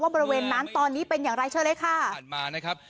บริเวณนั้นตอนนี้เป็นอย่างไรเชิญเลยค่ะผ่านมานะครับ